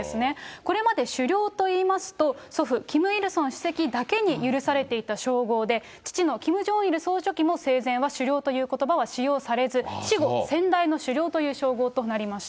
これまで首領といいますと、祖父、キム・イルソン主席だけに許されていた称号で、父のキム・ジョンイル総書記も生前は首領ということばは使用されず、死後、先代の首領という称号となりました。